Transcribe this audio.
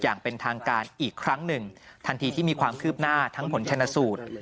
อย่างเป็นทางการอีกครั้งหนึ่งทันทีที่มีความคืบหน้าทั้งผลชนสูตร